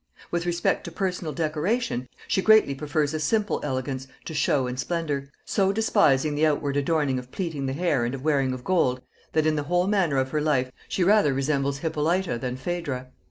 With respect to personal decoration, she greatly prefers a simple elegance to show and splendor, so despising 'the outward adorning of plaiting the hair and of wearing of gold,' that in the whole manner of her life she rather resembles Hippolyta than Phædra.